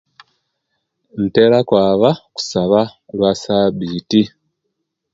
Ntera okwaba okusaba olwasabiti